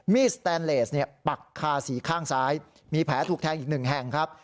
สแตนเลสปักคาสีข้างซ้ายมีแผลถูกแทงอีกหนึ่งแห่งครับ